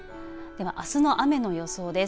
では、あすの雨の予想です。